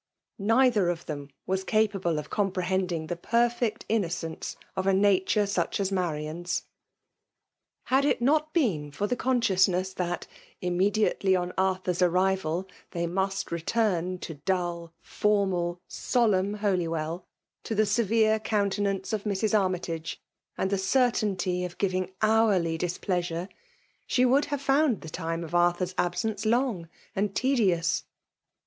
Neither of them was capable oi comprehending the perfect innocence of a Ujaturo such as Marian's. ' Had it not been for the consciousness • that immediately on Arthur's arrival they must ro*? 278 PBMALB DOMINATiOM. turn to dull, formal, solemn Holywell, to the severe countenance of Mrs. Armytage, and the certainty of giving hourly diqpleasiaro, she would have found the time of Arthur*8 absence long and tedious.